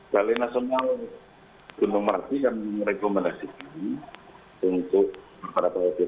kali nasional gunung merapi yang merekomendasikan ini